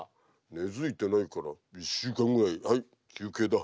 「根づいてないから１週間ぐらいはい休憩だ」